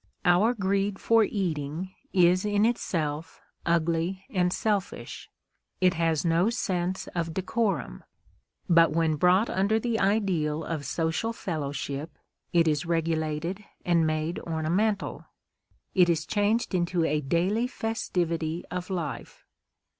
Our greed for eating is in itself ugly and selfish, it has no sense of decorum; but when brought under the ideal of social fellowship, it is regulated and made ornamental; it is changed into a daily festivity of life.